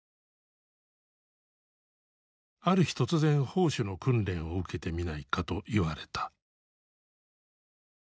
ある日突然砲手の訓練を受けてみないかと言われた。